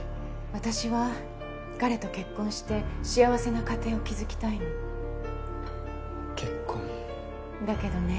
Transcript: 私は彼と結婚して幸せな家庭を築きた結婚だけどね